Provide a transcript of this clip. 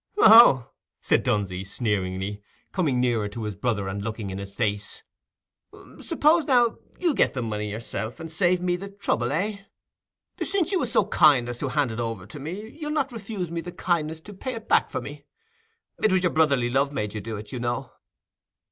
"Oh!" said Dunsey, sneeringly, coming nearer to his brother and looking in his face. "Suppose, now, you get the money yourself, and save me the trouble, eh? Since you was so kind as to hand it over to me, you'll not refuse me the kindness to pay it back for me: it was your brotherly love made you do it, you know."